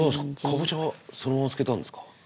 かぼちゃはそのまま漬けたんですか？